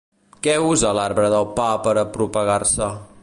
Què usa l'arbre del pa per a propagar-se?